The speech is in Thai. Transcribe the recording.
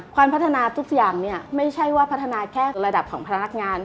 ความพัฒนาทุกอย่างเนี่ยไม่ใช่ว่าพัฒนาแค่ระดับของพนักงาน